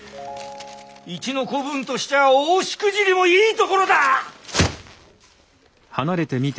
一の子分としちゃ大しくじりもいいところだ！